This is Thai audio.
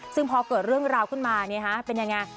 ซึ่งพอเกิดเรื่องราวขึ้นมาเป็นยังไง